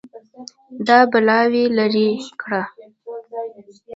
دا بلاوې لرې کړه